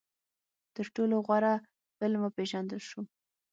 تر ټولو غوره فلم وپېژندل شو